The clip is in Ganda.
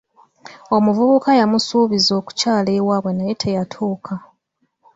Omuvubuka yamusuubiza okukyala ewaabwe naye teyatuuka.